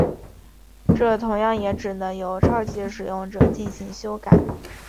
这同样也只能由超级使用者进行修改。